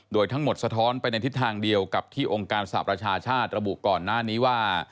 โดยทั้งหมดสะท้อนไปในทิศทางเดียวกับที่องค์การสหประชาชาติระบุก่อนหน้านี้ว่า